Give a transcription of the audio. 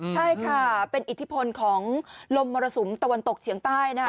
ใช่ค่ะเป็นอิทธิพลของลมมรสุมตะวันตกเฉียงใต้